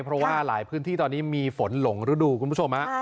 เพราะว่าหลายพื้นที่ตอนนี้มีฝนหลงฤดูคุณผู้ชมฮะ